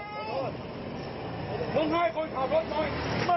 นุ่นให้คนถ่ายรถหน่อย